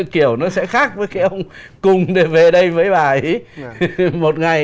kiểu nó sẽ khác với cái ông cùng về đây với bà ấy một ngày